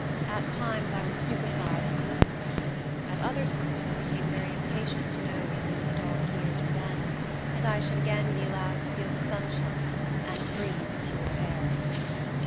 At times, I was stupefied and listless; at other times I became very impatient to know when these dark years would end, and I should again be allowed to feel the sunshine, and breathe the pure air.